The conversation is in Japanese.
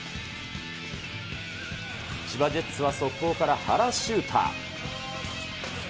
千葉ジェッツは速攻から原修太。